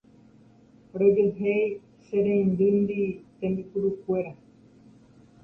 rojohéi che reindyndi tembipurukuéra